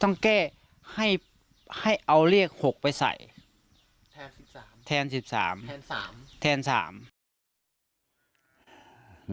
มันแก้ให้ให้เอาเลขหกไปใส่แทนสิบสามแทนสามแทนสามแทนสาม